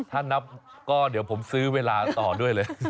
ถ้านับก็เดี๋ยวผมซื้อเวลาต่อด้วยเลย